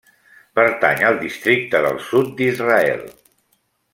Pertany al districte del Sud d'Israel.